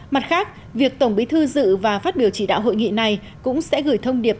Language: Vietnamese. mặt khác việc tổng bí thư dự và phát biểu chỉ đạo hội nghị này cũng sẽ gửi thông điệp